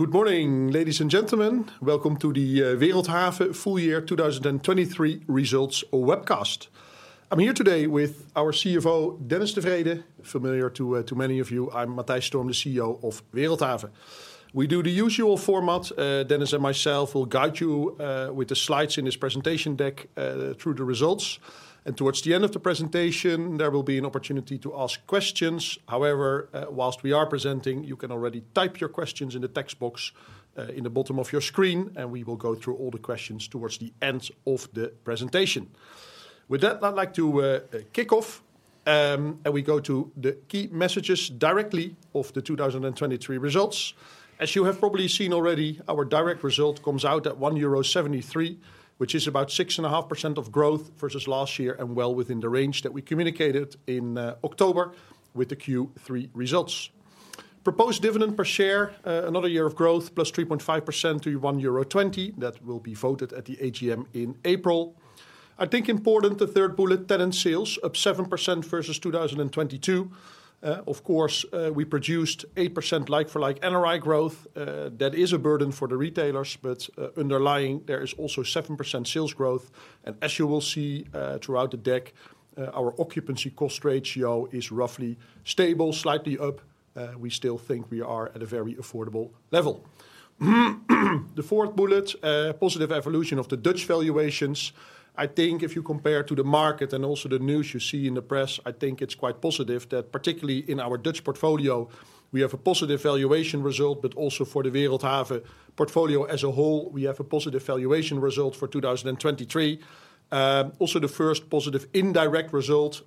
Good morning, ladies and gentlemen. Welcome to the Wereldhave Full Year 2023 Results Webcast. I'm here today with our CFO, Dennis de Vreede. Familiar to many of you, I'm Matthijs Storm, the CEO of Wereldhave. We do the usual format. Dennis and myself will guide you with the slides in this presentation deck through the results, and towards the end of the presentation, there will be an opportunity to ask questions. However, whilst we are presenting, you can already type your questions in the text box in the bottom of your screen, and we will go through all the questions towards the end of the presentation. With that, I'd like to kick off, and we go to the key messages directly of the 2023 results. As you have probably seen already, our direct result comes out at 1.73 euro, which is about 6.5% of growth versus last year, and well within the range that we communicated in October with the Q3 results. Proposed dividend per share, another year of growth, plus 3.5% to 1.20 euro. That will be voted at the AGM in April. I think important, the third bullet, tenant sales, up 7% versus 2022. Of course, we produced 8% like-for-like NRI growth. That is a burden for the retailers, but, underlying there is also 7% sales growth, and as you will see, throughout the deck, our occupancy cost ratio is roughly stable, slightly up. We still think we are at a very affordable level. The fourth bullet: positive evolution of the Dutch valuations. I think if you compare to the market and also the news you see in the press, I think it's quite positive that, particularly in our Dutch portfolio, we have a positive valuation result, but also for the Wereldhave portfolio as a whole, we have a positive valuation result for 2023. Also the first positive indirect result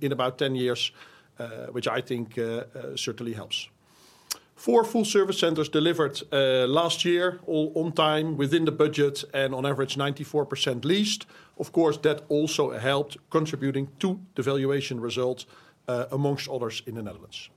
in about 10 years, which I think certainly helps. Four Full Service Centers delivered last year, all on time, within the budget, and on average, 94% leased. Of course, that also helped contributing to the valuation results, among others in the Netherlands.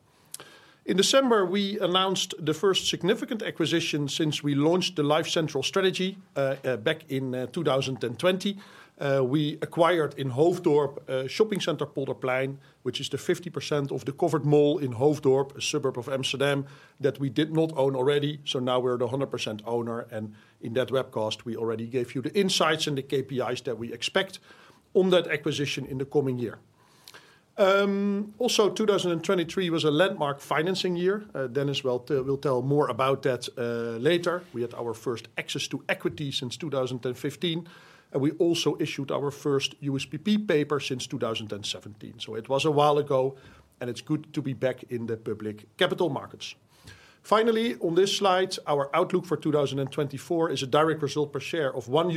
In December, we announced the first significant acquisition since we launched the Life Central strategy back in 2020. We acquired in Hoofddorp, a shopping center, Polderplein, which is the 50% of the covered mall in Hoofddorp, a suburb of Amsterdam, that we did not own already. So now we're the 100% owner, and in that webcast, we already gave you the insights and the KPIs that we expect on that acquisition in the coming year. Also, 2023 was a landmark financing year. Dennis will tell more about that later. We had our first access to equity since 2015, and we also issued our first USPP paper since 2017. So it was a while ago, and it's good to be back in the public capital markets. Finally, on this slide, our outlook for 2024 is a direct result per share of 1.75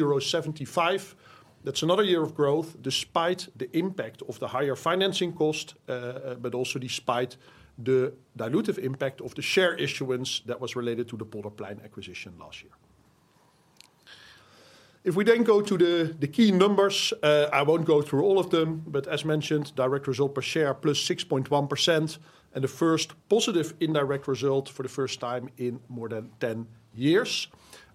euro. That's another year of growth, despite the impact of the higher financing cost, but also despite the dilutive impact of the share issuance that was related to the Polderplein acquisition last year. If we then go to the key numbers, I won't go through all of them, but as mentioned, direct result per share +6.1%, and the first positive indirect result for the first time in more than 10 years.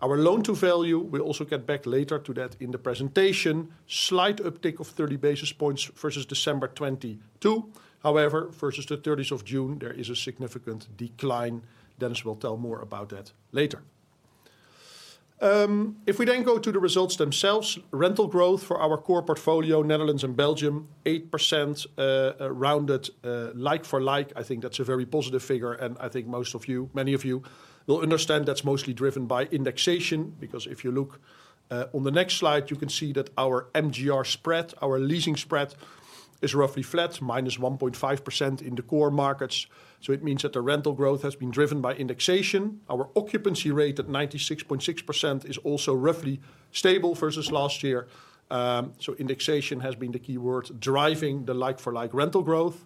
Our loan-to-value, we'll also get back later to that in the presentation. Slight uptick of 30 basis points versus December 2022. However, versus the thirtieth of June, there is a significant decline. Dennis will tell more about that later. If we then go to the results themselves, rental growth for our core portfolio, Netherlands and Belgium, 8%, rounded, like-for-like. I think that's a very positive figure, and I think most of you, many of you, will understand that's mostly driven by indexation. Because if you look on the next slide, you can see that our MGR spread, our leasing spread, is roughly flat, minus 1.5% in the core markets. So it means that the rental growth has been driven by indexation. Our occupancy rate at 96.6% is also roughly stable versus last year. So indexation has been the key word driving the like-for-like rental growth.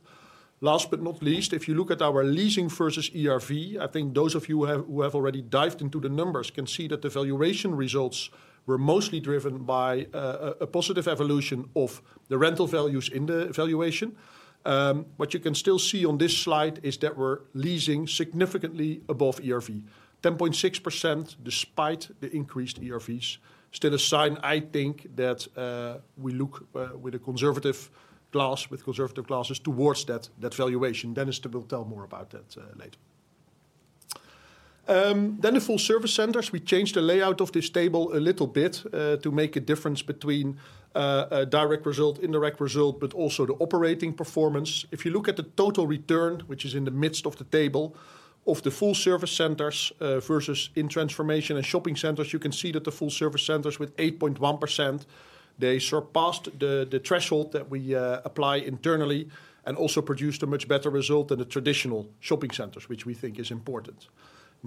Last but not least, if you look at our leasing versus ERV, I think those of you who have already dived into the numbers can see that the valuation results were mostly driven by a positive evolution of the rental values in the valuation. What you can still see on this slide is that we're leasing significantly above ERV. 10.6%, despite the increased ERVs, still a sign, I think, that we look with conservative glasses towards that valuation. Dennis will tell more about that later. Then the Full Service Centers, we changed the layout of this table a little bit to make a difference between a direct result, indirect result, but also the operating performance. If you look at the total return, which is in the midst of the table, of the Full Service Centers versus those in transformation and shopping centers, you can see that the Full Service Centers with 8.1%, they surpassed the threshold that we apply internally and also produced a much better result than the traditional shopping centers, which we think is important.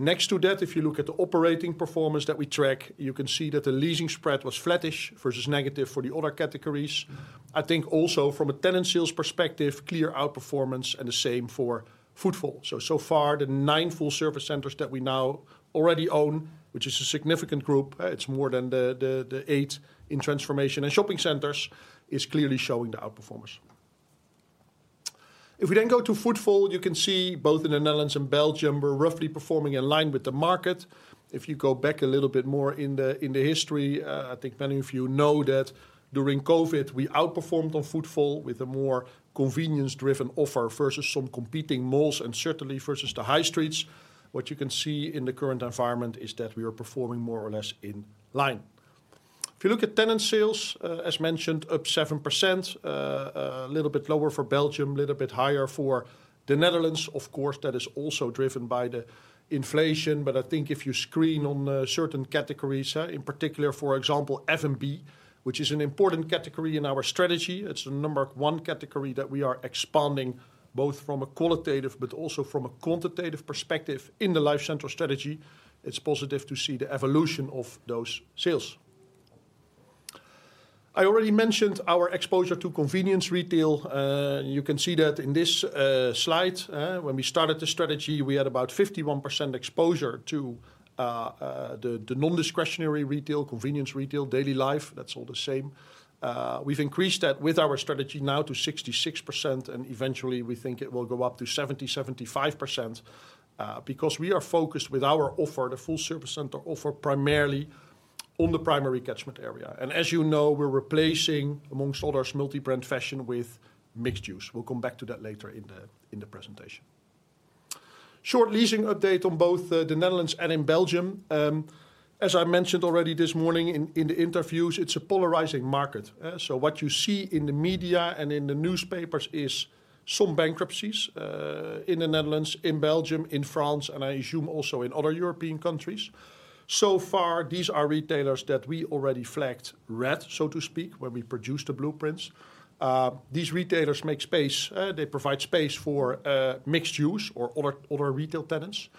Next to that, if you look at the operating performance that we track, you can see that the leasing spread was flattish versus negative for the other categories. I think also from a tenant sales perspective, clear outperformance and the same for footfall. So, so far, the 9 Full Service Centers that we now already own, which is a significant group, it's more than the 8 in transformation and shopping centers, is clearly showing the outperformance. If we then go to footfall, you can see both in the Netherlands and Belgium, we're roughly performing in line with the market... If you go back a little bit more in the history, I think many of you know that during COVID, we outperformed on footfall with a more convenience-driven offer versus some competing malls and certainly versus the high streets. What you can see in the current environment is that we are performing more or less in line. If you look at tenant sales, as mentioned, up 7%. A little bit lower for Belgium, a little bit higher for the Netherlands. Of course, that is also driven by the inflation. But I think if you screen on certain categories, in particular, for example, F&B, which is an important category in our strategy, it's the number one category that we are expanding, both from a qualitative but also from a quantitative perspective in the Life Central strategy, it's positive to see the evolution of those sales. I already mentioned our exposure to convenience retail. You can see that in this slide, when we started the strategy, we had about 51% exposure to the non-discretionary retail, convenience retail, daily life. That's all the same. We've increased that with our strategy now to 66%, and eventually, we think it will go up to 70%-75%, because we are focused with our offer, the Full Service Center offer, primarily on the primary catchment area. And as you know, we're replacing, among others, multi-brand fashion with mixed use. We'll come back to that later in the presentation. Short leasing update on both the Netherlands and in Belgium. As I mentioned already this morning in the interviews, it's a polarizing market, so what you see in the media and in the newspapers is some bankruptcies in the Netherlands, in Belgium, in France, and I assume also in other European countries. So far, these are retailers that we already flagged red, so to speak, when we produced the blueprints. These retailers make space, they provide space for mixed use or other retail tenants.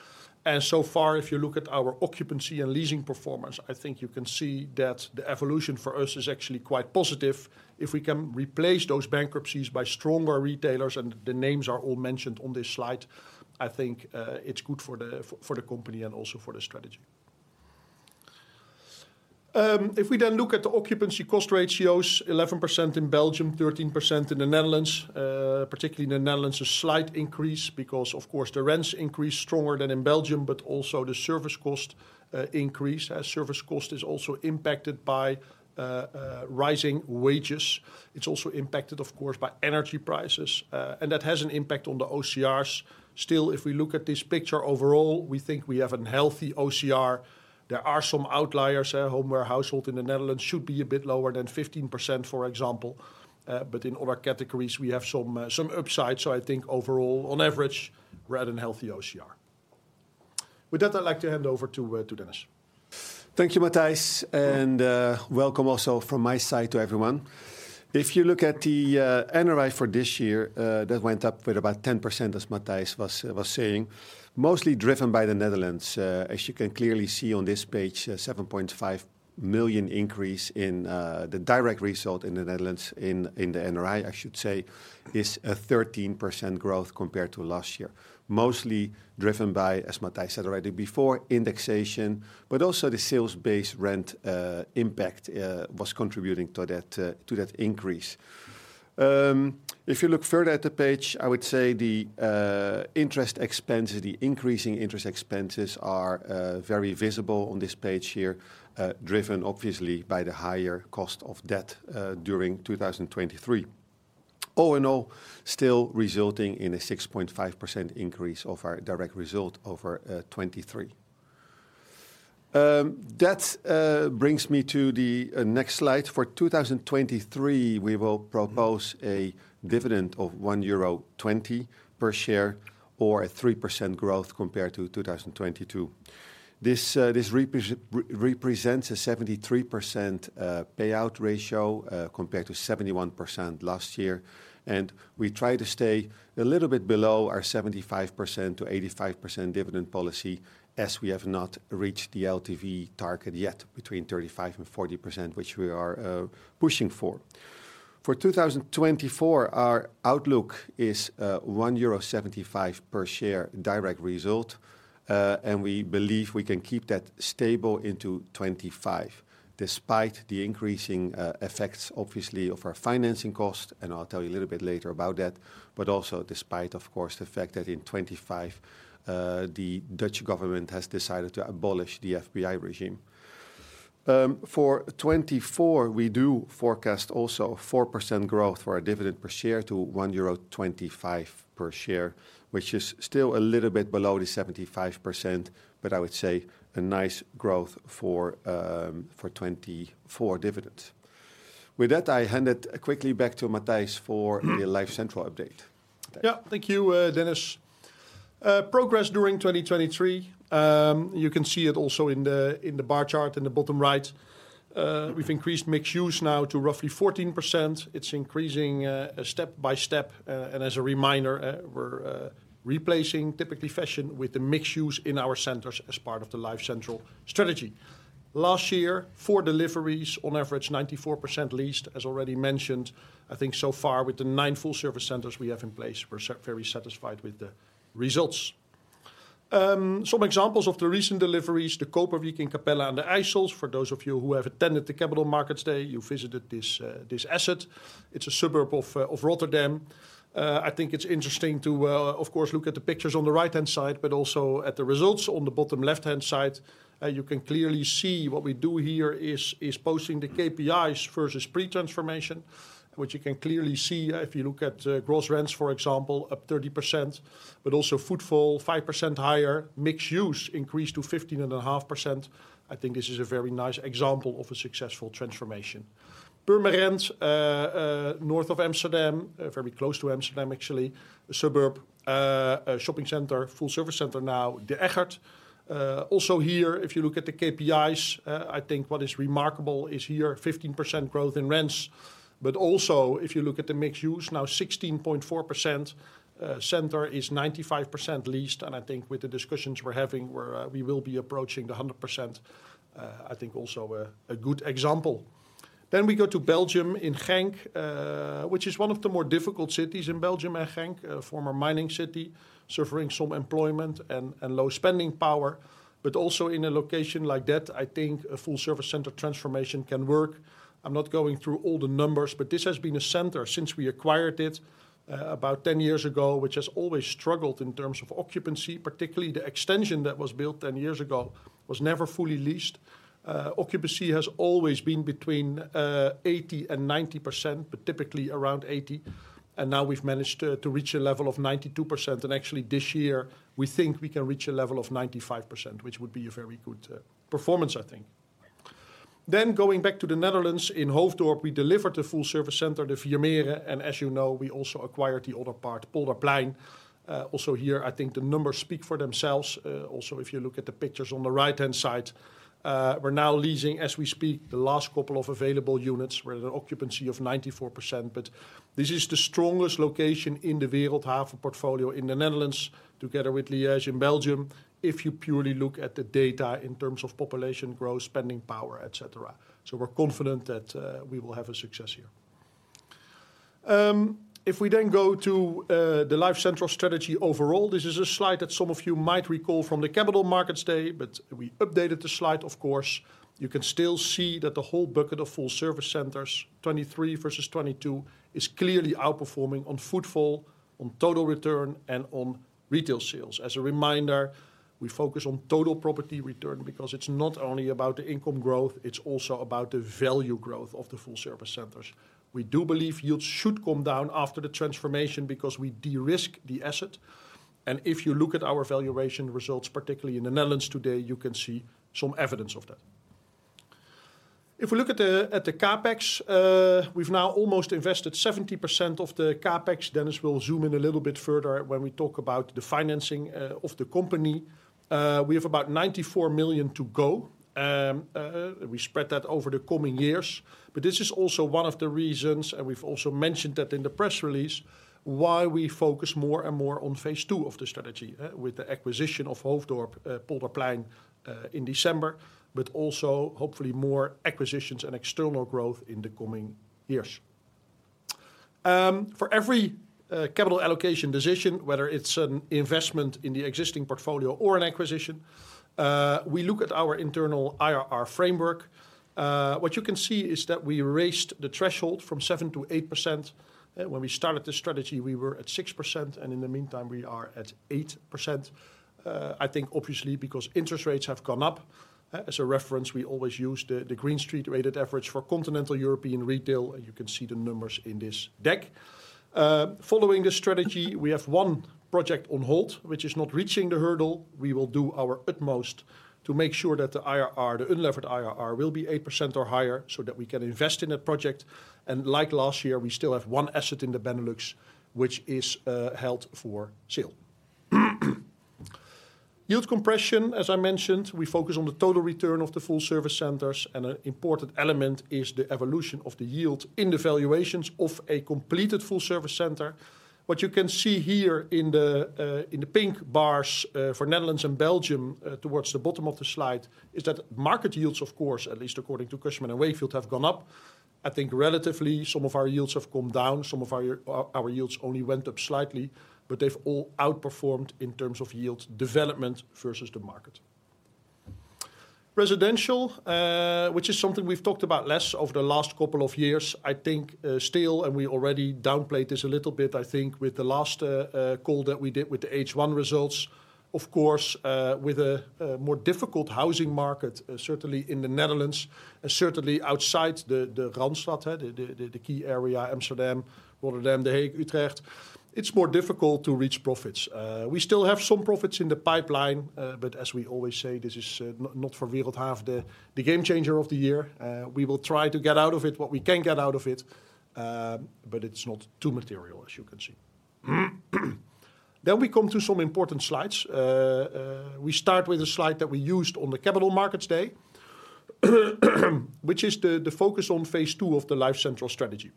And so far, if you look at our occupancy and leasing performance, I think you can see that the evolution for us is actually quite positive. If we can replace those bankruptcies by stronger retailers, and the names are all mentioned on this slide, I think it's good for the company and also for the strategy. If we then look at the occupancy cost ratio, 11% in Belgium, 13% in the Netherlands. Particularly in the Netherlands, a slight increase because, of course, the rents increased stronger than in Belgium, but also the service cost increased, as service cost is also impacted by rising wages. It's also impacted, of course, by energy prices, and that has an impact on the OCRs. Still, if we look at this picture overall, we think we have a healthy OCR. There are some outliers at home, where household in the Netherlands should be a bit lower than 15%, for example. But in other categories, we have some upside. So I think overall, on average, we're at a healthy OCR. With that, I'd like to hand over to Dennis. Thank you, Matthijs, and welcome also from my side to everyone. If you look at the NRI for this year, that went up with about 10%, as Matthijs was saying, mostly driven by the Netherlands. As you can clearly see on this page, 7.5 million increase in the direct result in the Netherlands, in the NRI, I should say, is a 13% growth compared to last year. Mostly driven by, as Matthijs said already before, indexation, but also the sales-based rent impact was contributing to that increase. If you look further at the page, I would say the interest expenses, the increasing interest expenses are very visible on this page here, driven obviously by the higher cost of debt during 2023. All in all, still resulting in a 6.5% increase of our direct result over 2023. That brings me to the next slide. For 2023, we will propose a dividend of 1.20 euro per share or a 3% growth compared to 2022. This represents a 73% payout ratio compared to 71% last year. And we try to stay a little bit below our 75%-85% dividend policy, as we have not reached the LTV target yet, between 35%-40%, which we are pushing for. For 2024, our outlook is 1.75 euro per share direct result, and we believe we can keep that stable into 2025, despite the increasing effects, obviously, of our financing cost, and I'll tell you a little bit later about that, but also despite, of course, the fact that in 2025, the Dutch government has decided to abolish the FBI regime. For 2024, we do forecast also a 4% growth for our dividend per share to 1.25 euro per share, which is still a little bit below the 75%, but I would say a nice growth for for 2024 dividends. With that, I hand it quickly back to Matthijs for the Life Central update. Yeah. Thank you, Dennis. Progress during 2023, you can see it also in the bar chart in the bottom right. We've increased mixed use now to roughly 14%. It's increasing step by step, and as a reminder, we're replacing typically fashion with a mixed use in our centers as part of the Life Central strategy. Last year, 4 deliveries, on average, 94% leased, as already mentioned. I think so far, with the 9 full service centers we have in place, we're very satisfied with the results. Some examples of the recent deliveries, De Koperwiek in Capelle aan den IJssel. For those of you who have attended the Capital Markets Day, you visited this asset. It's a suburb of Rotterdam. I think it's interesting to, of course, look at the pictures on the right-hand side, but also at the results on the bottom left-hand side. You can clearly see what we do here is, is posting the KPIs versus pre-transformation, which you can clearly see, if you look at, gross rents, for example, up 30%, but also footfall, 5% higher. Mixed use increased to 15.5%. I think this is a very nice example of a successful transformation. Purmerend, north of Amsterdam, very close to Amsterdam actually, a suburb, a shopping center, full-service center now, de Eggert. Also here, if you look at the KPIs, I think what is remarkable is here, 15% growth in rents. But also, if you look at the mixed use, now 16.4%, center is 95% leased, and I think with the discussions we're having, we're, We will be approaching the 100%. I think also a good example. Then we go to Belgium in Genk, which is one of the more difficult cities in Belgium, I think. A former mining city, suffering some employment and low spending power, but also in a location like that, I think a full-service center transformation can work. I'm not going through all the numbers, but this has been a center since we acquired it, about 10 years ago, which has always struggled in terms of occupancy. Particularly the extension that was built 10 years ago was never fully leased. Occupancy has always been between 80% and 90%, but typically around 80%, and now we've managed to reach a level of 92%. Actually this year, we think we can reach a level of 95%, which would be a very good performance, I think. Then going back to the Netherlands, in Hoofddorp, we delivered the Full Service Center, de Vier Meren, and as you know, we also acquired the other part, Polderplein. Also here, I think the numbers speak for themselves. Also, if you look at the pictures on the right-hand side, we're now leasing, as we speak, the last couple of available units with an occupancy of 94%. But this is the strongest location in the Wereldhave portfolio in the Netherlands, together with Liège in Belgium, if you purely look at the data in terms of population growth, spending power, et cetera. So we're confident that we will have a success here. If we then go to the Life Central strategy overall, this is a slide that some of you might recall from the Capital Markets Day, but we updated the slide, of course. You can still see that the whole bucket of full-service centers, 23 versus 22, is clearly outperforming on footfall, on total return, and on retail sales. As a reminder, we focus on total property return because it's not only about the income growth, it's also about the value growth of the full-service centers. We do believe yields should come down after the transformation because we de-risk the asset, and if you look at our valuation results, particularly in the Netherlands today, you can see some evidence of that. If we look at the CapEx, we've now almost invested 70% of the CapEx. Dennis will zoom in a little bit further when we talk about the financing of the company. We have about 94 million to go. We spread that over the coming years. But this is also one of the reasons, and we've also mentioned that in the press release, why we focus more and more on phase two of the strategy, with the acquisition of Hoofddorp, Polderplein in December, but also hopefully more acquisitions and external growth in the coming years. For every capital allocation decision, whether it's an investment in the existing portfolio or an acquisition, we look at our internal IRR framework. What you can see is that we raised the threshold from 7%-8%. When we started this strategy, we were at 6%, and in the meantime, we are at 8%. I think obviously because interest rates have gone up. As a reference, we always use the Green Street-rated average for continental European retail, and you can see the numbers in this deck. Following this strategy, we have one project on hold, which is not reaching the hurdle. We will do our utmost to make sure that the IRR, the unlevered IRR, will be 8% or higher so that we can invest in that project. Like last year, we still have one asset in the Benelux which is held for sale. Yield compression, as I mentioned, we focus on the total return of the full-service centers, and an important element is the evolution of the yield in the valuations of a completed full-service center. What you can see here in the pink bars for Netherlands and Belgium towards the bottom of the slide is that market yields, of course, at least according to Cushman & Wakefield, have gone up. I think relatively, some of our yields have come down. Some of our yields only went up slightly, but they've all outperformed in terms of yield development versus the market. Residential, which is something we've talked about less over the last couple of years. I think, still, and we already downplayed this a little bit, I think, with the last call that we did with the H1 results. Of course, with a more difficult housing market, certainly in the Netherlands and certainly outside the key area, Amsterdam, Rotterdam, The Hague, Utrecht, it's more difficult to reach profits. We still have some profits in the pipeline, but as we always say, this is not for Wereldhave, the game changer of the year. We will try to get out of it what we can get out of it, but it's not too material, as you can see. Then we come to some important slides. We start with a slide that we used on the Capital Markets Day, which is the focus on phase two of the Life Central strategy.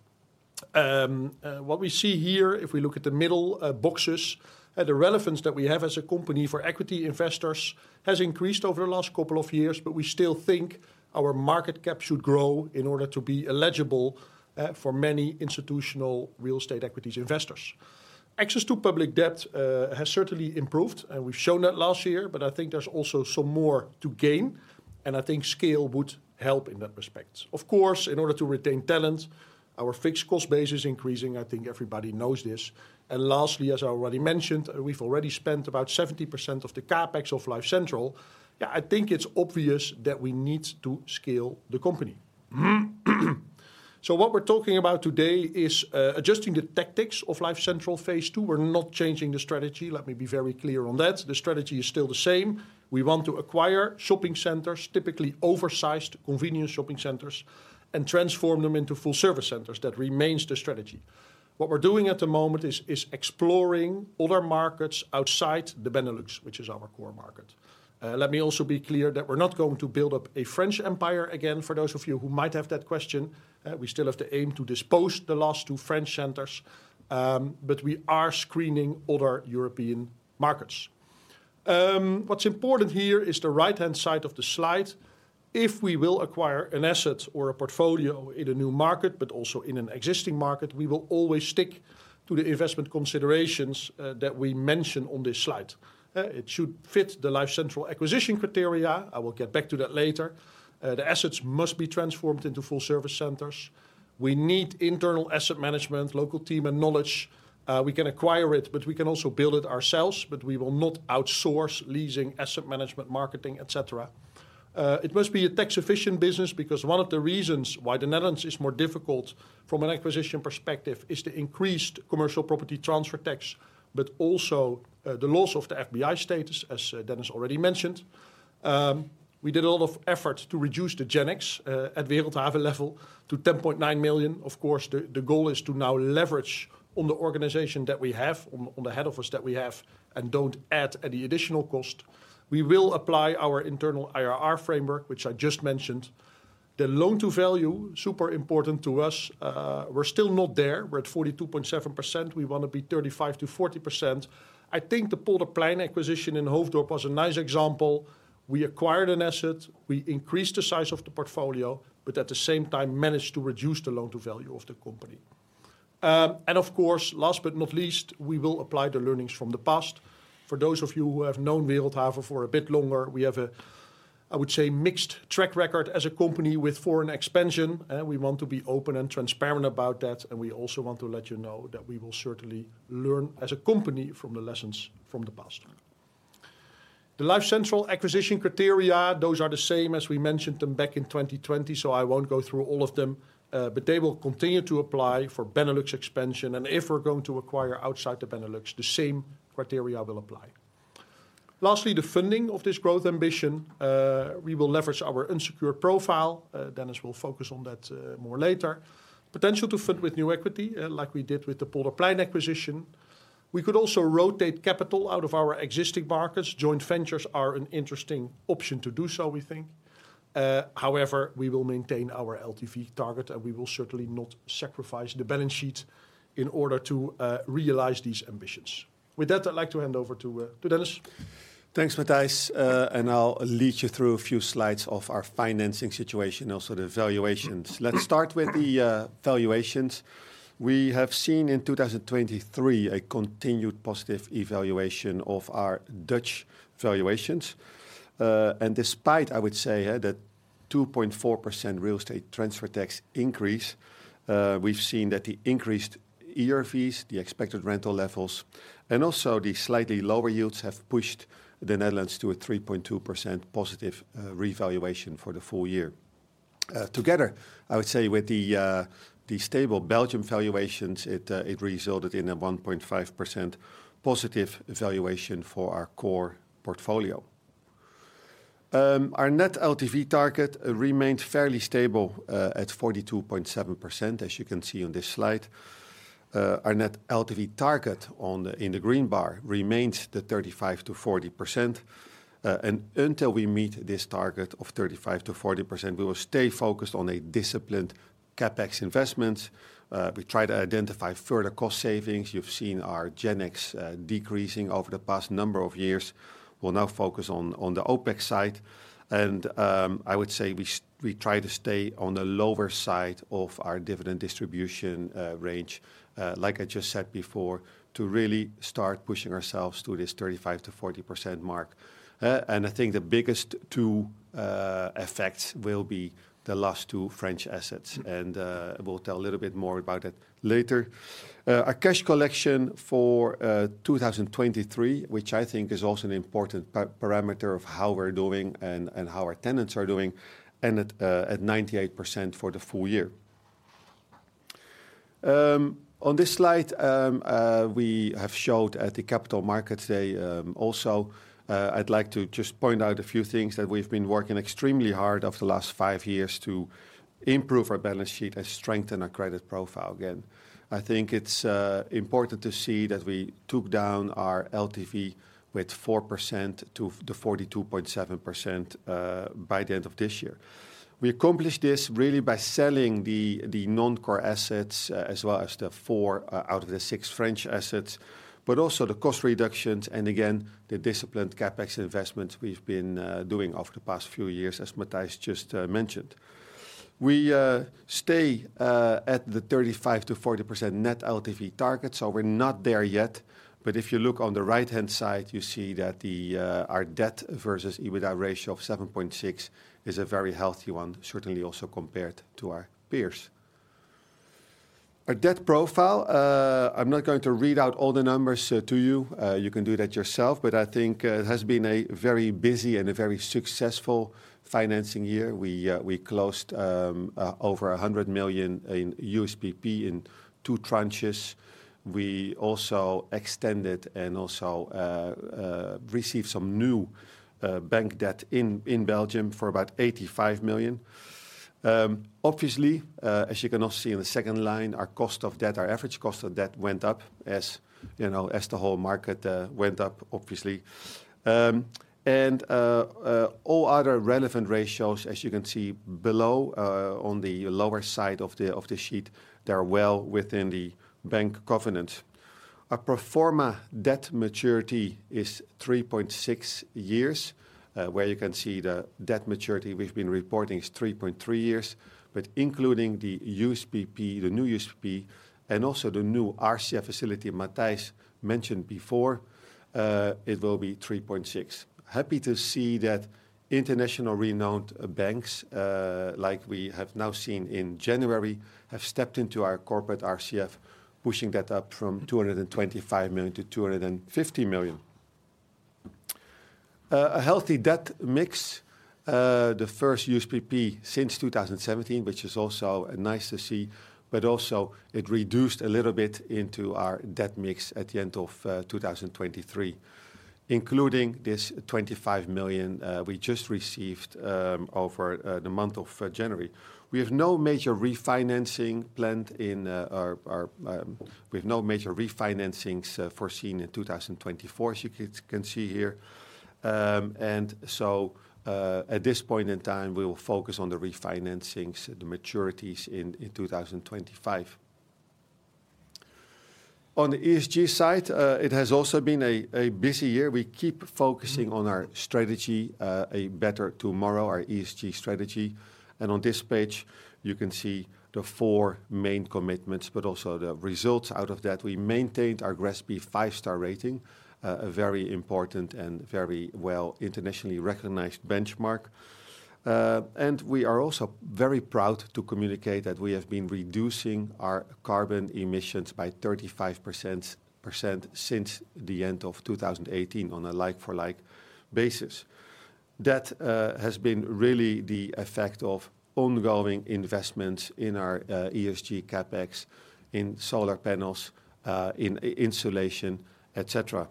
What we see here, if we look at the middle boxes, the relevance that we have as a company for equity investors has increased over the last couple of years, but we still think our market cap should grow in order to be eligible for many institutional real estate equities investors. Access to public debt has certainly improved, and we've shown that last year, but I think there's also some more to gain, and I think scale would help in that respect. Of course, in order to retain talent, our fixed cost base is increasing. I think everybody knows this. And lastly, as I already mentioned, we've already spent about 70% of the CapEx of Life Central. Yeah, I think it's obvious that we need to scale the company. So what we're talking about today is adjusting the tactics of Life Central Phase Two. We're not changing the strategy. Let me be very clear on that. The strategy is still the same. We want to acquire shopping centers, typically oversized convenience shopping centers, and transform them into full-service centers. That remains the strategy. What we're doing at the moment is exploring other markets outside the Benelux, which is our core market. Let me also be clear that we're not going to build up a French empire again, for those of you who might have that question. We still have to aim to dispose the last two French centers, but we are screening other European markets. What's important here is the right-hand side of the slide. If we will acquire an asset or a portfolio in a new market, but also in an existing market, we will always stick to the investment considerations that we mention on this slide. It should fit the Life Central acquisition criteria. I will get back to that later. The assets must be transformed into full-service centers. We need internal asset management, local team, and knowledge. We can acquire it, but we can also build it ourselves, but we will not outsource leasing, asset management, marketing, et cetera. It must be a tax-efficient business, because one of the reasons why the Netherlands is more difficult from an acquisition perspective is the increased commercial property transfer tax, but also, the loss of the FBI status, as Dennis already mentioned. We did a lot of effort to reduce the GenX at Wereldhave level to 10.9 million. Of course, the goal is to now leverage on the organization that we have, on the head office that we have, and don't add any additional cost. We will apply our internal IRR framework, which I just mentioned. The loan-to-value, super important to us. We're still not there. We're at 42.7%. We want to be 35%-40%. I think the Polderplein acquisition in Hoofddorp was a nice example. We acquired an asset, we increased the size of the portfolio, but at the same time managed to reduce the loan-to-value of the company. And of course, last but not least, we will apply the learnings from the past. For those of you who have known Wereldhave for a bit longer, we have a, I would say, mixed track record as a company with foreign expansion, we want to be open and transparent about that, and we also want to let you know that we will certainly learn as a company from the lessons from the past. The Life Central acquisition criteria, those are the same as we mentioned them back in 2020, so I won't go through all of them, but they will continue to apply for Benelux expansion, and if we're going to acquire outside the Benelux, the same criteria will apply. Lastly, the funding of this growth ambition, we will leverage our unsecured profile. Dennis will focus on that, more later. Potential to fund with new equity, like we did with the Polderplein acquisition. We could also rotate capital out of our existing markets. Joint ventures are an interesting option to do so, we think. However, we will maintain our LTV target, and we will certainly not sacrifice the balance sheet in order to, realize these ambitions. With that, I'd like to hand over to, to Dennis. Thanks, Matthijs. I'll lead you through a few slides of our financing situation, also the valuations. Let's start with the valuations. We have seen in 2023, a continued positive revaluation of our Dutch valuations. And despite, I would say, the 2.4% real estate transfer tax increase, we've seen that the increased IRVs, the expected rental levels, and also the slightly lower yields, have pushed the Netherlands to a 3.2% positive revaluation for the full year. Together, I would say, with the stable Belgium valuations, it resulted in a 1.5% positive valuation for our core portfolio. Our net LTV target remained fairly stable at 42.7%, as you can see on this slide. Our net LTV target on the... In the green bar remains the 35%-40%. And until we meet this target of 35%-40%, we will stay focused on a disciplined CapEx investment. We try to identify further cost savings. You've seen our GenX decreasing over the past number of years. We'll now focus on the OpEx side, and I would say we try to stay on the lower side of our dividend distribution range, like I just said before, to really start pushing ourselves to this 35%-40% mark. And I think the biggest two effects will be the last two French assets, and we'll tell a little bit more about that later. Our cash collection for 2023, which I think is also an important parameter of how we're doing and how our tenants are doing, ended at 98% for the full year. On this slide, we have showed at the capital markets day, also, I'd like to just point out a few things that we've been working extremely hard over the last five years to improve our balance sheet and strengthen our credit profile again. I think it's important to see that we took down our LTV with 4% to 42.7%, by the end of this year. We accomplished this really by selling the, the non-core assets, as well as the four out of the six French assets, but also the cost reductions and again, the disciplined CapEx investments we've been doing over the past few years, as Matthijs just mentioned. We stay at the 35%-40% net LTV target, so we're not there yet. But if you look on the right-hand side, you see that our debt versus EBITDA ratio of 7.6 is a very healthy one, certainly also compared to our peers. Our debt profile, I'm not going to read out all the numbers to you. You can do that yourself, but I think it has been a very busy and a very successful financing year. We closed over 100 million in USPP in 2 tranches. We also extended and also received some new bank debt in Belgium for about 85 million. Obviously, as you can also see in the second line, our cost of debt, our average cost of debt went up, as you know, as the whole market went up, obviously. All other relevant ratios, as you can see below, on the lower side of the sheet, they are well within the bank covenant. Our pro forma debt maturity is 3.6 years, where you can see the debt maturity we've been reporting is 3.3 years. But including the USPP, the new USPP, and also the new RCF facility Matthijs mentioned before, it will be 3.6. Happy to see that international renowned banks, like we have now seen in January, have stepped into our corporate RCF, pushing that up from 225 million to 250 million. A healthy debt mix, the first USPP since 2017, which is also nice to see, but also it reduced a little bit into our debt mix at the end of 2023, including this 25 million we just received over the month of January. We have no major refinancing planned in our... We have no major refinancings foreseen in 2024, as you can see here. And so, at this point in time, we will focus on the refinancings, the maturities in 2025. On the ESG side, it has also been a busy year. We keep focusing on our strategy, Better Tomorrow, our ESG strategy. On this page, you can see the four main commitments, but also the results out of that. We maintained our GRESB five-star rating, a very important and very well internationally recognized benchmark. And we are also very proud to communicate that we have been reducing our carbon emissions by 35% since the end of 2018 on a Like-for-Like basis. That has been really the effect of ongoing investments in our ESG CapEx, in solar panels, in insulation, et cetera.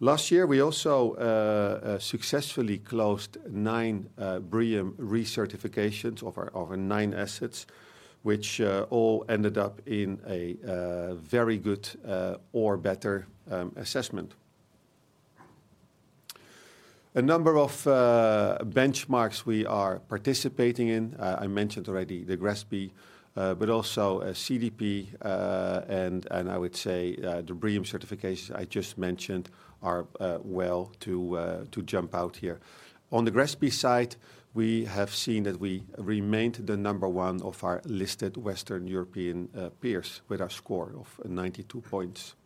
Last year, we also successfully closed nine BREEAM recertifications of our nine assets, which all ended up in a very good or better assessment. A number of benchmarks we are participating in, I mentioned already the GRESB, but also CDP, and I would say the BREEAM certification I just mentioned are well to jump out here. On the GRESB side, we have seen that we remained the number one of our listed Western European peers, with our score of 92 points.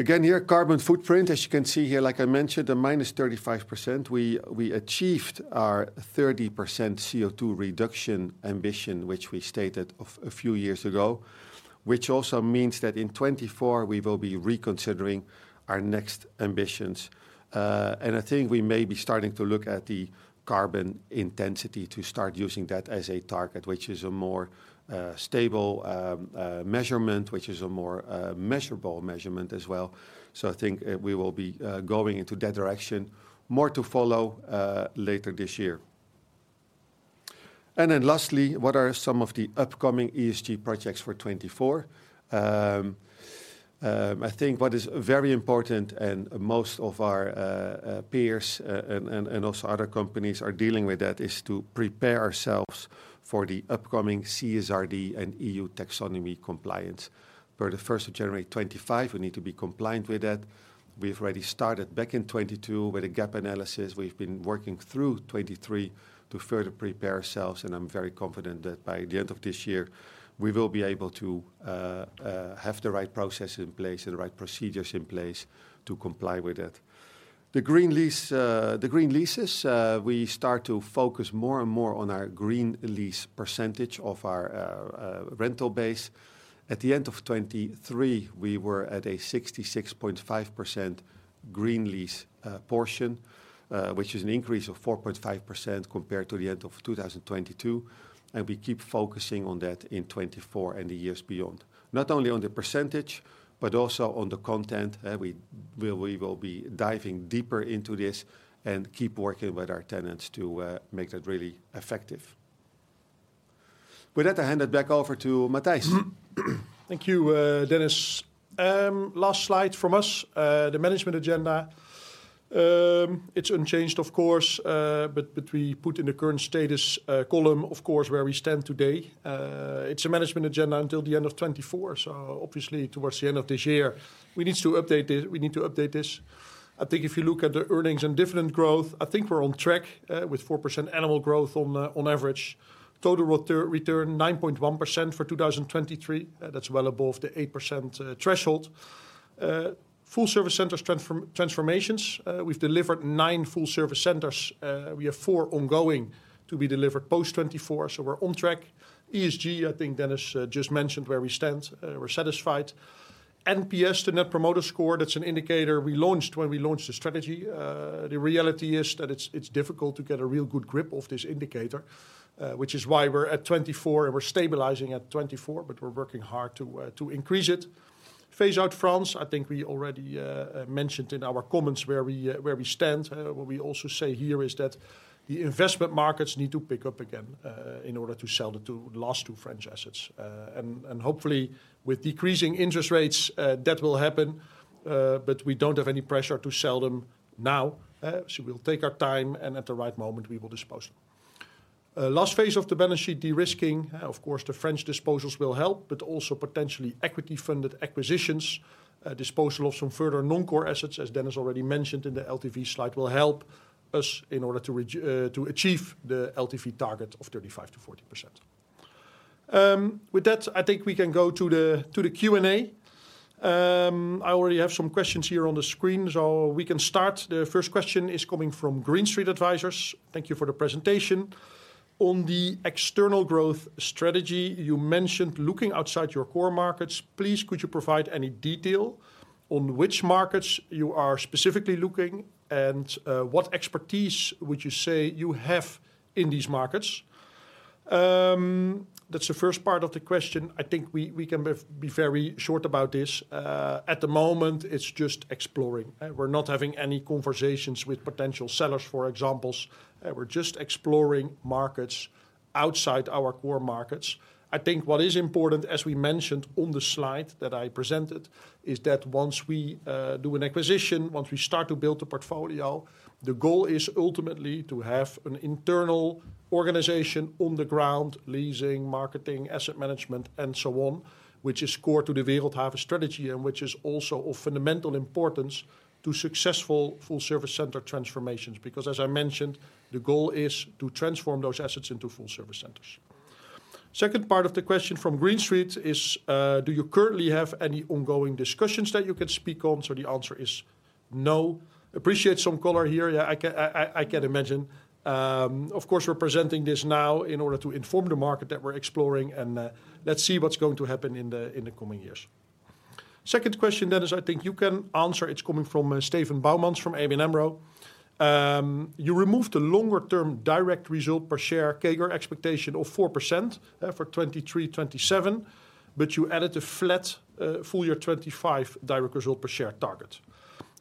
Again, here, carbon footprint, as you can see here, like I mentioned, a -35%. We achieved our 30% CO2 reduction ambition, which we stated a few years ago, which also means that in 2024, we will be reconsidering our next ambitions. I think we may be starting to look at the carbon intensity to start using that as a target, which is a more stable measurement, which is a more measurable measurement as well. So I think we will be going into that direction. More to follow later this year. And then lastly, what are some of the upcoming ESG projects for 2024? I think what is very important, and most of our peers and also other companies are dealing with that, is to prepare ourselves for the upcoming CSRD and EU Taxonomy compliance. For the first of January 2025, we need to be compliant with that. We've already started back in 2022 with a gap analysis. We've been working through 2023 to further prepare ourselves, and I'm very confident that by the end of this year, we will be able to have the right processes in place and the right procedures in place to comply with it. The green lease, the green leases, we start to focus more and more on our green lease percentage of our rental base. At the end of 2023, we were at a 66.5% green lease portion, which is an increase of 4.5% compared to the end of 2022, and we keep focusing on that in 2024 and the years beyond. Not only on the percentage, but also on the content, we will be diving deeper into this and keep working with our tenants to make that really effective. With that, I hand it back over to Matthijs. Thank you, Dennis. Last slide from us, the management agenda.... It's unchanged, of course, but we put in the current status, column, of course, where we stand today. It's a management agenda until the end of 2024, so obviously towards the end of this year, we need to update this, we need to update this. I think if you look at the earnings and dividend growth, I think we're on track, with 4% annual growth on, on average. Total return 9.1% for 2023, that's well above the 8%, threshold. Full Service Centers transformations, we've delivered nine Full Service Centers. We have four ongoing to be delivered post-2024, so we're on track. ESG, I think Dennis, just mentioned where we stand, we're satisfied. NPS, the Net Promoter Score, that's an indicator we launched when we launched the strategy. The reality is that it's difficult to get a real good grip of this indicator, which is why we're at 24 and we're stabilizing at 24, but we're working hard to increase it. Phase out France, I think we already mentioned in our comments where we stand. What we also say here is that the investment markets need to pick up again, in order to sell the two last two French assets. And hopefully with decreasing interest rates, that will happen, but we don't have any pressure to sell them now. So we'll take our time, and at the right moment, we will dispose. Last phase of the balance sheet, de-risking. Of course, the French disposals will help, but also potentially equity-funded acquisitions, disposal of some further non-core assets, as Dennis already mentioned in the LTV slide, will help us in order to achieve the LTV target of 35%-40%. With that, I think we can go to the Q&A. I already have some questions here on the screen, so we can start. The first question is coming from Green Street Advisors. "Thank you for the presentation. On the external growth strategy, you mentioned looking outside your core markets. Please, could you provide any detail on which markets you are specifically looking, and what expertise would you say you have in these markets?" That's the first part of the question. I think we can be very short about this. At the moment, it's just exploring. We're not having any conversations with potential sellers, for example. We're just exploring markets outside our core markets. I think what is important, as we mentioned on the slide that I presented, is that once we do an acquisition, once we start to build the portfolio, the goal is ultimately to have an internal organization on the ground, leasing, marketing, asset management, and so on, which is core to the Wereldhave strategy, and which is also of fundamental importance to successful Full Service Center transformations. Because as I mentioned, the goal is to transform those assets into Full Service Centers. Second part of the question from Green Street is, "Do you currently have any ongoing discussions that you could speak on?" So the answer is no. "Appreciate some color here." Yeah, I can imagine. Of course, we're presenting this now in order to inform the market that we're exploring, and let's see what's going to happen in the coming years. Second question, Dennis, I think you can answer. It's coming from Steven Boumans from ABN AMRO. "You removed the longer-term direct result per share CAGR expectation of 4% for 2023, 2027, but you added a flat full year 2025 direct result per share target."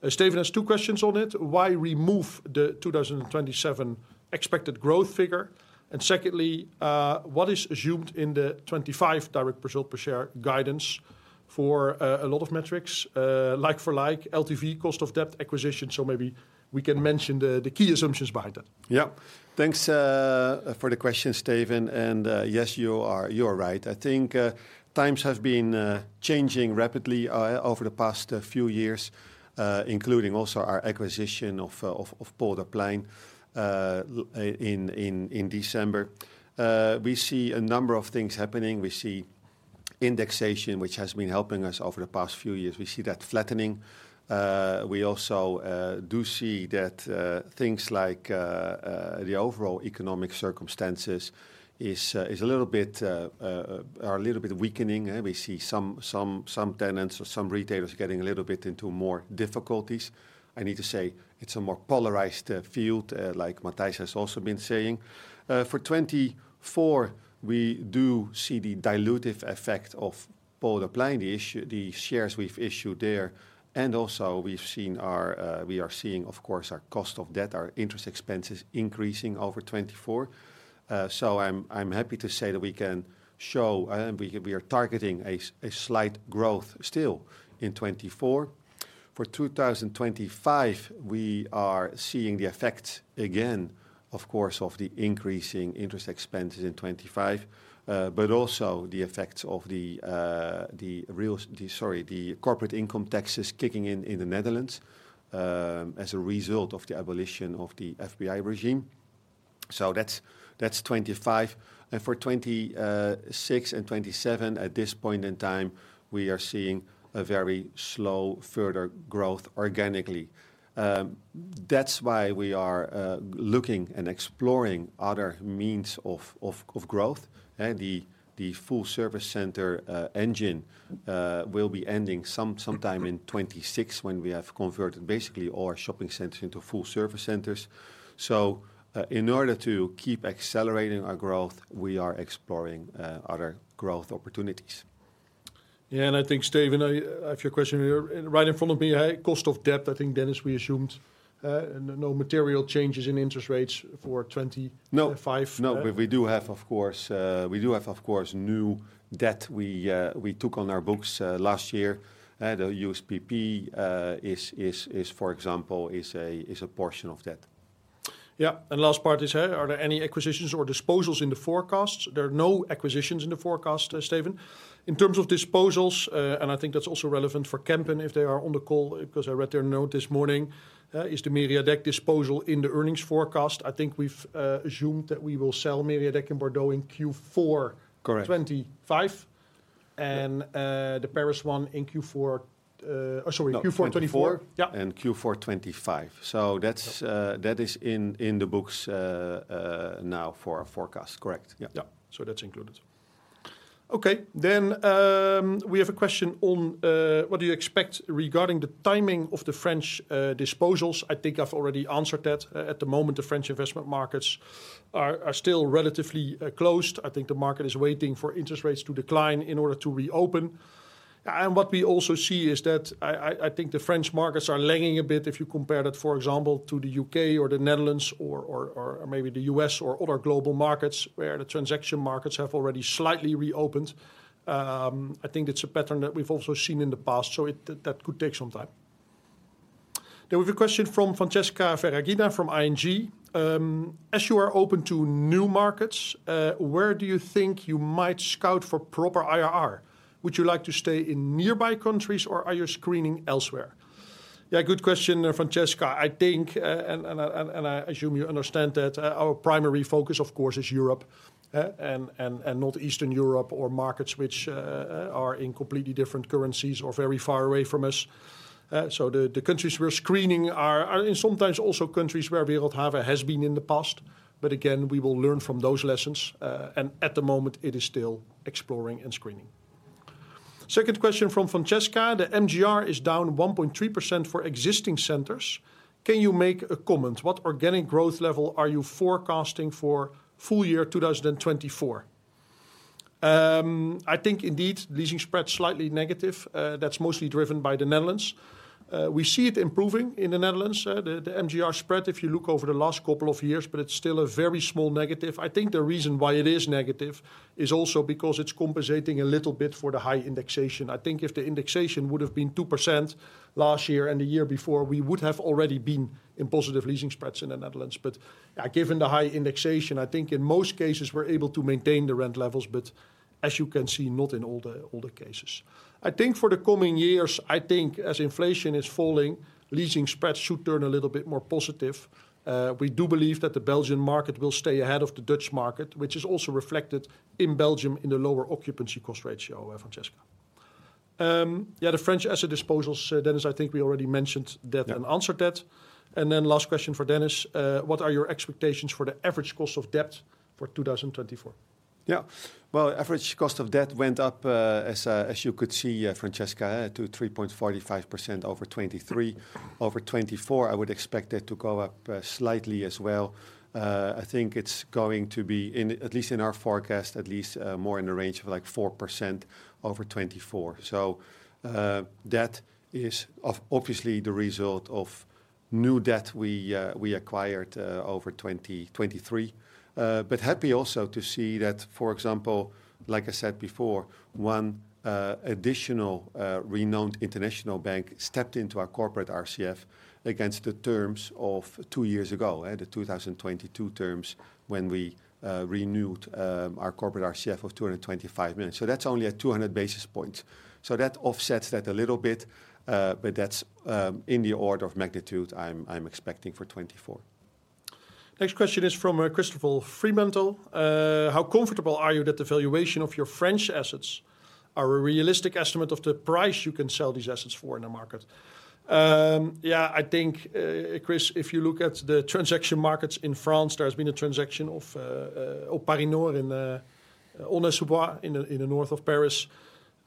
Steven has two questions on it: "Why remove the 2027 expected growth figure?" And secondly, "What is assumed in the 2025 direct result per share guidance for a lot of metrics like-for-like, LTV, cost of debt, acquisition?" So maybe we can mention the key assumptions behind that. Yeah. Thanks for the question, Steven, and yes, you are right. I think times have been changing rapidly over the past few years, including also our acquisition of Polderplein in December. We see a number of things happening. We see indexation, which has been helping us over the past few years. We see that flattening. We also do see that things like the overall economic circumstances are a little bit weakening. We see some tenants or some retailers getting a little bit into more difficulties. I need to say, it's a more polarized field, like Matthijs has also been saying. For 2024, we do see the dilutive effect of Polderplein, the shares we've issued there, and also we are seeing, of course, our cost of debt, our interest expenses increasing over 2024. So I'm happy to say that we can show, we are targeting a slight growth still in 2024. For 2025, we are seeing the effect again, of course, of the increasing interest expenses in 2025, but also the effects of the corporate income taxes kicking in in the Netherlands, as a result of the abolition of the FBI regime. So that's 2025. And for 2026 and 2027, at this point in time, we are seeing a very slow further growth organically. That's why we are looking and exploring other means of growth. The full service center engine will be ending sometime in 2026, when we have converted basically all our shopping centers into full service centers. So, in order to keep accelerating our growth, we are exploring other growth opportunities. Yeah, and I think, Steven, I have your question here right in front of me, hey. Cost of debt, I think, Dennis, we assumed no material changes in interest rates for 2025. No. No, but we do have, of course, new debt we took on our books last year. The USPP, for example, is a portion of that.... Yeah, and last part is, "Are there any acquisitions or disposals in the forecasts?" There are no acquisitions in the forecast, Steven. In terms of disposals, and I think that's also relevant for Kampen, if they are on the call, because I read their note this morning, is the Mériadeck disposal in the earnings forecast. I think we've assumed that we will sell Mériadeck in Bordeaux in Q4- Correct... 2025, and- Yeah... the Paris one in Q4, oh, sorry, Q4 2024. '24. Yeah. Q4 2025. So that's, Yeah That is in the books. Now for our forecast. Correct. Yeah. Yeah. So that's included. Okay. Then, we have a question on, "What do you expect regarding the timing of the French disposals?" I think I've already answered that. At the moment, the French investment markets are still relatively closed. I think the market is waiting for interest rates to decline in order to reopen. And what we also see is that I think the French markets are lagging a bit if you compare that, for example, to the U.K. or the Netherlands or maybe the U.S. or other global markets, where the transaction markets have already slightly reopened. I think that's a pattern that we've also seen in the past, so that could take some time. Now, we have a question from Francesca Ferragina from ING: "As you are open to new markets, where do you think you might scout for proper IRR? Would you like to stay in nearby countries, or are you screening elsewhere?" Yeah, good question, Francesca. I think, and I assume you understand that our primary focus, of course, is Europe, and not Eastern Europe or markets which are in completely different currencies or very far away from us. So the countries we're screening are, and sometimes also countries where Wereldhave has been in the past, but again, we will learn from those lessons. And at the moment, it is still exploring and screening. Second question from Francesca: "The MGR is down 1.3% for existing centers. Can you make a comment? What organic growth level are you forecasting for full year 2024?" I think indeed, leasing spread slightly negative. That's mostly driven by the Netherlands. We see it improving in the Netherlands, the MGR spread, if you look over the last couple of years, but it's still a very small negative. I think the reason why it is negative is also because it's compensating a little bit for the high indexation. I think if the indexation would have been 2% last year and the year before, we would have already been in positive leasing spreads in the Netherlands. But, yeah, given the high indexation, I think in most cases we're able to maintain the rent levels, but as you can see, not in all the cases. I think for the coming years, I think as inflation is falling, leasing spreads should turn a little bit more positive. We do believe that the Belgian market will stay ahead of the Dutch market, which is also reflected in Belgium in the lower occupancy cost ratio, Francesca. Yeah, the French asset disposals, Dennis, I think we already mentioned that- Yeah... and answered that. And then last question for Dennis: "What are your expectations for the average cost of debt for 2024? Yeah. Well, average cost of debt went up, as, as you could see, Francesca, to 3.45% over 2023. Over 2024, I would expect it to go up slightly as well. I think it's going to be in—at least in our forecast, at least, more in the range of, like, 4% over 2024. So, that is obviously the result of new debt we, we acquired over 2023. But happy also to see that, for example, like I said before, one additional renowned international bank stepped into our corporate RCF against the terms of two years ago, the 2022 terms, when we renewed our corporate RCF of 225 million. So that's only at 200 basis points. So that offsets that a little bit, but that's in the order of magnitude I'm expecting for 2024. Next question is from Christopher Fremantle: "How comfortable are you that the valuation of your French assets are a realistic estimate of the price you can sell these assets for in the market?" Yeah, I think, Chris, if you look at the transaction markets in France, there has been a transaction of O'Parinor in Aulnay-sous-Bois, in the north of Paris,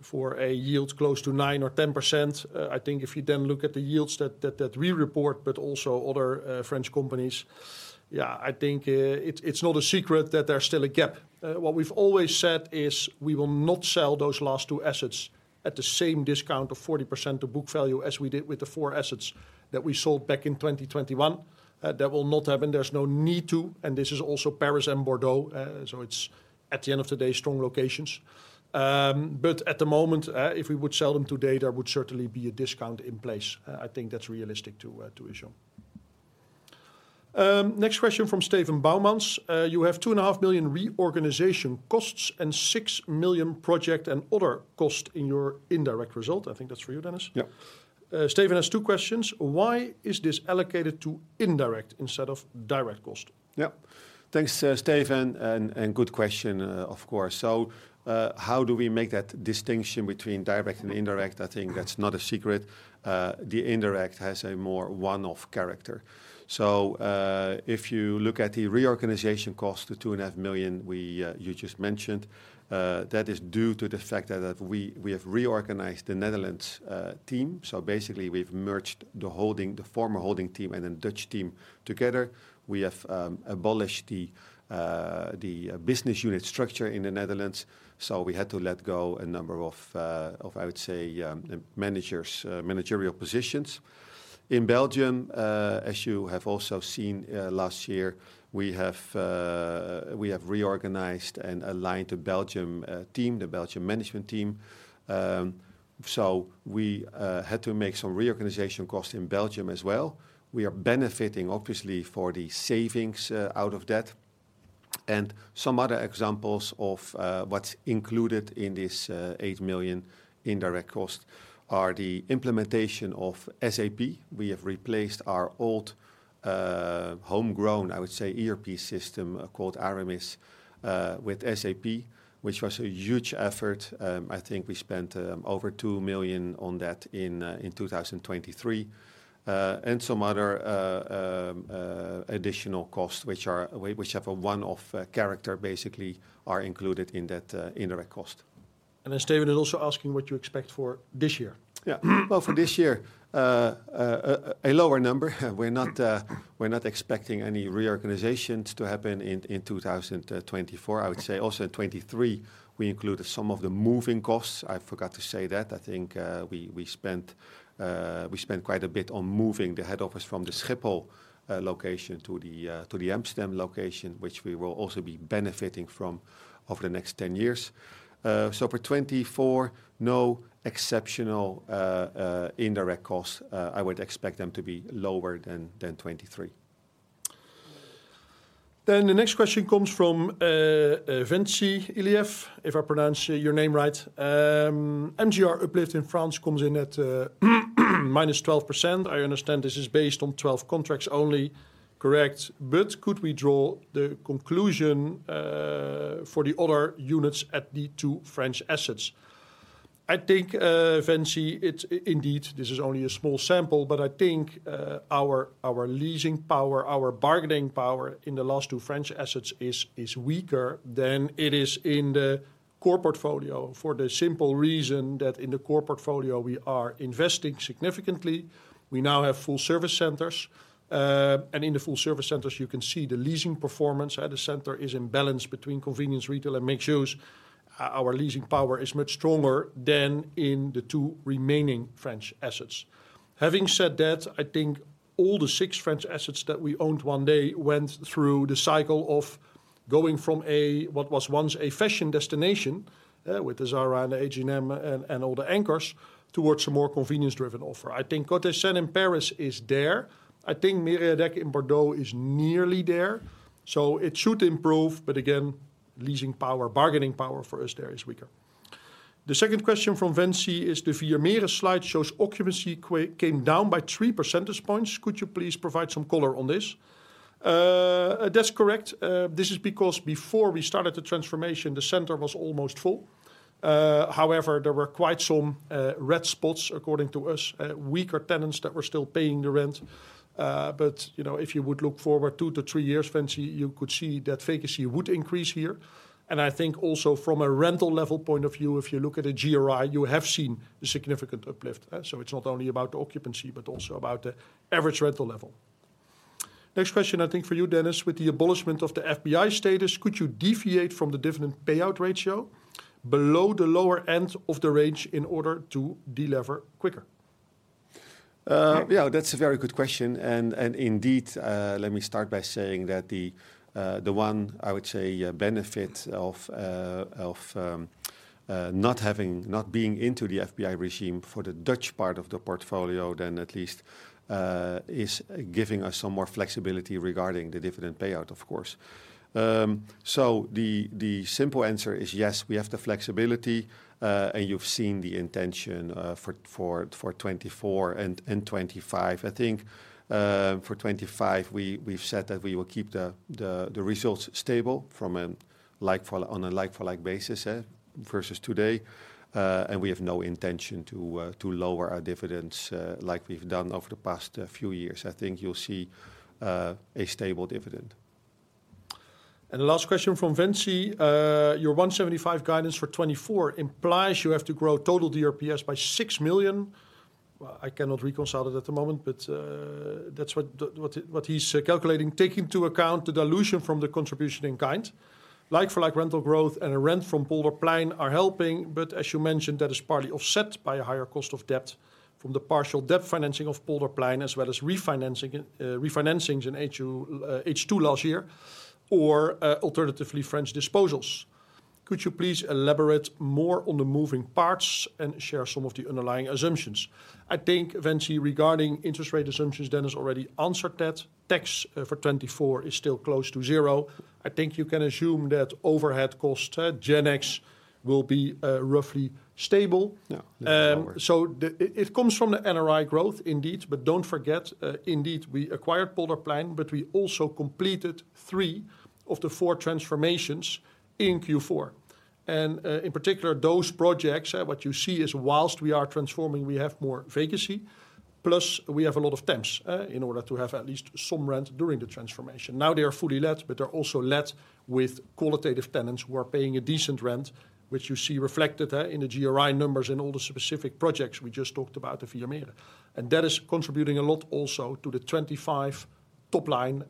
for a yield close to 9%-10%. I think if you then look at the yields that we report, but also other French companies, yeah, I think, it's not a secret that there's still a gap. What we've always said is, we will not sell those last two assets at the same discount of 40% of book value as we did with the four assets that we sold back in 2021. That will not happen. There's no need to, and this is also Paris and Bordeaux. So it's, at the end of the day, strong locations. But at the moment, if we would sell them today, there would certainly be a discount in place. I think that's realistic to assume. Next question from Steven Boumans: "You have 2.5 million reorganization costs and 6 million project and other costs in your indirect result." I think that's for you, Dennis. Yeah. Steven has two questions: "Why is this allocated to indirect instead of direct cost? Yeah. Thanks, Steven, and good question, of course. So, how do we make that distinction between direct and indirect? I think that's not a secret. The indirect has a more one-off character. So, if you look at the reorganization cost, the 2.5 million you just mentioned, that is due to the fact that we have reorganized the Netherlands team. So basically, we've merged the holding, the former holding team and the Dutch team together. We have abolished the business unit structure in the Netherlands, so we had to let go a number of, I would say, managers, managerial positions. In Belgium, as you have also seen, last year, we have reorganized and aligned the Belgium team, the Belgium management team. So we had to make some reorganization costs in Belgium as well. We are benefiting obviously for the savings out of that. Some other examples of what's included in this 8 million indirect cost are the implementation of SAP. We have replaced our old homegrown, I would say, ERP system called Aramis with SAP, which was a huge effort. I think we spent over 2 million on that in 2023. Some other additional costs, which have a one-off character, basically, are included in that indirect cost. Steven is also asking what you expect for this year. Yeah. Well, for this year, a lower number. We're not expecting any reorganizations to happen in 2024. I would say also in 2023, we included some of the moving costs. I forgot to say that. I think, we spent quite a bit on moving the head office from the Schiphol location to the Amsterdam location, which we will also be benefiting from over the next 10 years. So for 2024, no exceptional indirect costs. I would expect them to be lower than 2023. Then the next question comes from Ventsi Iliev, if I pronounce your name right. MGR uplift in France comes in at -12%. I understand this is based on 12 contracts only. Correct. But could we draw the conclusion for the other units at the two French assets? I think, Ventsi, it's indeed this is only a small sample, but I think our leasing power, our bargaining power in the last two French assets is weaker than it is in the core portfolio, for the simple reason that in the core portfolio, we are investing significantly. We now have Full Service Centers, and in the Full Service Centers, you can see the leasing performance at the center is in balance between convenience, retail, and M&S. Our leasing power is much stronger than in the two remaining French assets. Having said that, I think all the six French assets that we owned one day went through the cycle of going from a, what was once a fashion destination, with the Zara and H&M and, and all the anchors, towards a more convenience-driven offer. I think what is said in Paris is there. I think Mériadeck in Bordeaux is nearly there, so it should improve, but again, leasing power, bargaining power for us there is weaker. The second question from Ventsi is: "The Vier Meren slide shows occupancy came down by three percentage points. Could you please provide some color on this?" "That's correct. This is because before we started the transformation, the center was almost full. However, there were quite some red spots, according to us, weaker tenants that were still paying the rent. But, you know, if you would look forward 2-3 years, Ventsi, you could see that vacancy would increase here. And I think also from a rental level point of view, if you look at the GRI, you have seen a significant uplift, so it's not only about the occupancy, but also about the average rental level. Next question, I think for you, Dennis: With the abolishment of the FBI status, could you deviate from the dividend payout ratio below the lower end of the range in order to delever quicker? Yeah, that's a very good question, and indeed, let me start by saying that the one, I would say, benefit of not having, not being into the FBI regime for the Dutch part of the portfolio, then at least, is giving us some more flexibility regarding the dividend payout, of course. The simple answer is yes, we have the flexibility, and you've seen the intention for 2024 and 2025. I think, for 2025, we've said that we will keep the results stable from a like for like... on a like-for-like basis, versus today. We have no intention to lower our dividends, like we've done over the past few years. I think you'll see a stable dividend. And the last question from Ventsi: "Your 1.75 guidance for 2024 implies you have to grow total DRPS by 6 million." Well, I cannot reconcile it at the moment, but that's what he's calculating. "Taking into account the dilution from the contribution in kind, like-for-like rental growth and a rent from Polderplein are helping, but as you mentioned, that is partly offset by a higher cost of debt from the partial debt financing of Polderplein, as well as refinancing, refinancings in H2 last year, or alternatively, French disposals. Could you please elaborate more on the moving parts and share some of the underlying assumptions?" I think, Ventsi, regarding interest rate assumptions, Dennis already answered that. Tax for 2024 is still close to zero. I think you can assume that overhead cost, GenX, will be roughly stable. Yeah. So it comes from the NRI growth indeed, but don't forget, indeed, we acquired Polderplein, but we also completed three of the four transformations in Q4. And, in particular, those projects, what you see is, while we are transforming, we have more vacancy, plus we have a lot of temps in order to have at least some rent during the transformation. Now, they are fully let, but they're also let with qualitative tenants who are paying a decent rent, which you see reflected in the GRI numbers in all the specific projects we just talked about at Vier Meren. And that is contributing a lot also to the 25 top line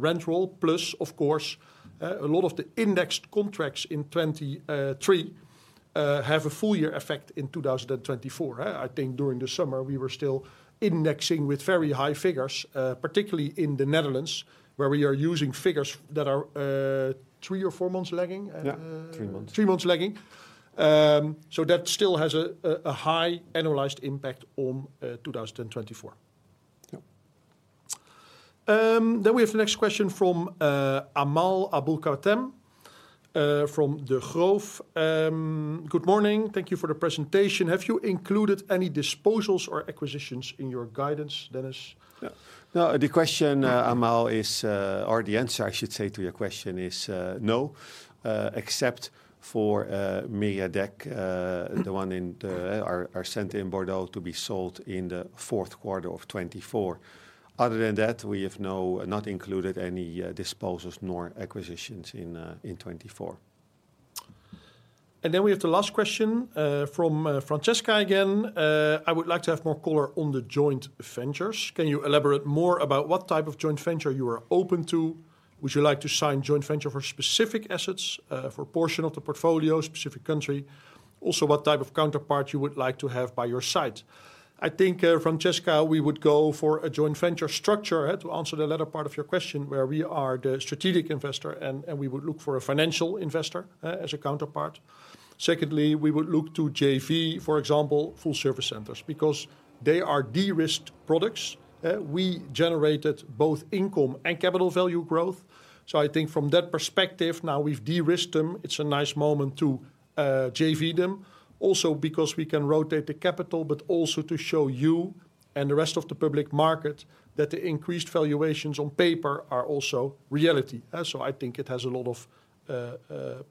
rent roll, plus, of course, a lot of the indexed contracts in 2023 have a full year effect in 2024? I think during the summer we were still indexing with very high figures, particularly in the Netherlands, where we are using figures that are three or four months lagging. Yeah, 3 months. Three months lagging. So that still has a high analyzed impact on 2024. Yeah. Then we have the next question from Amal Aboulkhouatem from Degroof. "Good morning. Thank you for the presentation. Have you included any disposals or acquisitions in your guidance, Dennis? Yeah. No, the question, Amal, is... Or the answer, I should say, to your question is, no, except for, Mériadeck, the one in the- our, our center in Bordeaux, to be sold in the fourth quarter of 2024. Other than that, we have no- not included any, disposals nor acquisitions in, in 2024. And then we have the last question from Francesca again. "I would like to have more color on the joint ventures. Can you elaborate more about what type of joint venture you are open to? Would you like to sign joint venture for specific assets, for portion of the portfolio, specific country? Also, what type of counterpart you would like to have by your side?" I think, Francesca, we would go for a joint venture structure, to answer the latter part of your question, where we are the strategic investor and, and we would look for a financial investor, as a counterpart. Secondly, we would look to JV, for example, Full Service Centers, because they are de-risked products. We generated both income and capital value growth, so I think from that perspective, now we've de-risked them, it's a nice moment to JV them. Also, because we can rotate the capital, but also to show you and the rest of the public market, that the increased valuations on paper are also reality. So I think it has a lot of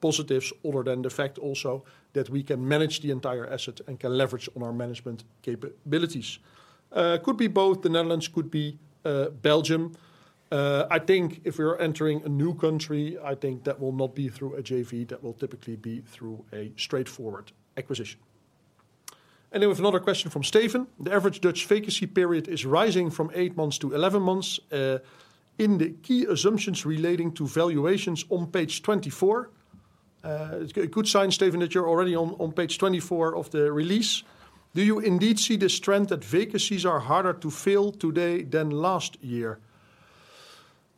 positives other than the fact also that we can manage the entire asset and can leverage on our management capabilities. Could be both, the Netherlands, could be Belgium. I think if we're entering a new country, I think that will not be through a JV, that will typically be through a straightforward acquisition. Then with another question from Steven: "The average Dutch vacancy period is rising from 8 months to 11 months in the key assumptions relating to valuations on page 24." It's a good sign, Steven, that you're already on page 24 of the release. "Do you indeed see this trend that vacancies are harder to fill today than last year?"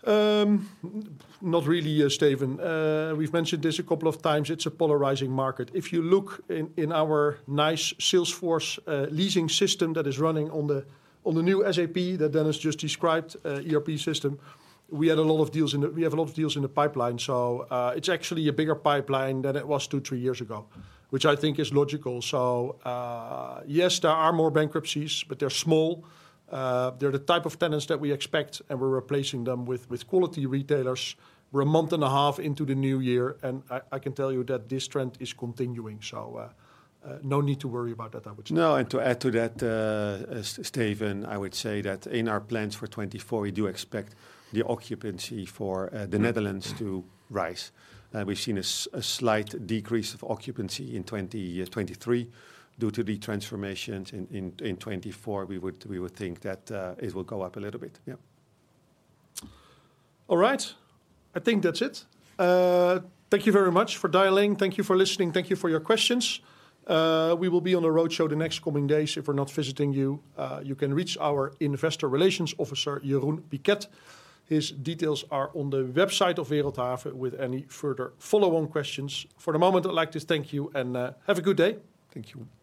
Not really, Steven. We've mentioned this a couple of times, it's a polarizing market. If you look in our nice Salesforce leasing system that is running on the new SAP that Dennis just described ERP system, we have a lot of deals in the pipeline, so it's actually a bigger pipeline than it was 2, 3 years ago, which I think is logical. So, yes, there are more bankruptcies, but they're small. They're the type of tenants that we expect, and we're replacing them with quality retailers. We're a month and a half into the new year, and I can tell you that this trend is continuing, so no need to worry about that, I would say. No, and to add to that, Steven, I would say that in our plans for 2024, we do expect the occupancy for the Netherlands to rise. We've seen a slight decrease of occupancy in 2023 due to the transformations. In 2024, we would think that it will go up a little bit. Yeah. All right. I think that's it. Thank you very much for dialing. Thank you for listening. Thank you for your questions. We will be on a roadshow the next coming days. If we're not visiting you, you can reach our Investor Relations Officer, Jeroen Piket. His details are on the website of Wereldhave with any further follow-on questions. For the moment, I'd like to thank you and have a good day. Thank you.